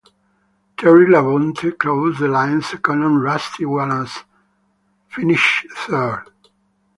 Terry Labonte crossed the line second and Rusty Wallace finished third.